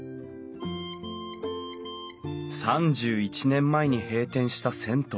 ３１年前に閉店した銭湯。